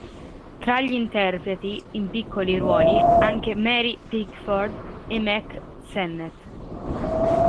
Tra gli interpreti, in piccoli ruoli, anche Mary Pickford e Mack Sennett.